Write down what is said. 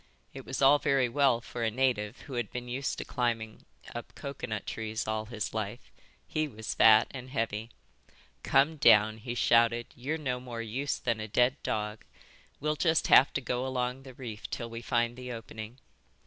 It was all very well for a native who had been used to climbing up coconut trees all his life. He was fat and heavy. "Come down," he shouted. "You're no more use than a dead dog. We'll just have to go along the reef till we find the opening."